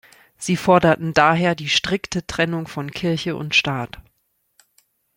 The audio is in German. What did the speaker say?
Sie forderten daher die strikte Trennung von Kirche und Staat.